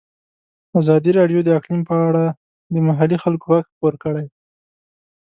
ازادي راډیو د اقلیم په اړه د محلي خلکو غږ خپور کړی.